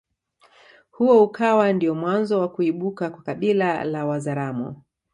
Huo ukawa ndiyo mwanzo wa kuibuka kwa kabila la Wazaramo